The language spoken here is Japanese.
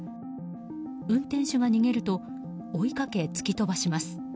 運転手が逃げると追いかけ突き飛ばします。